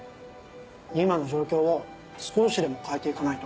今の状況を少しでも変えて行かないと。